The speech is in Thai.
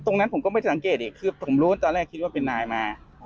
ผมก็ไม่ได้สังเกตอีกคือผมรู้ตอนแรกคิดว่าเป็นนายมา